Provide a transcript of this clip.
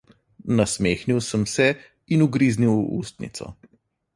Nasmehnil sem se in ugriznil v ustnico.